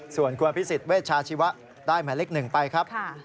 ส่วนความพิสิทธิ์เวชชาชีวะได้หมายเลข๑ไปครับ